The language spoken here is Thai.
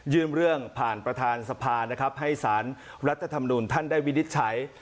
เรื่องผ่านประธานสภานะครับให้สารรัฐธรรมนุนท่านได้วินิจฉัย